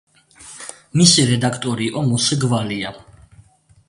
მისი რედაქტორი იყო მოსე გვალია.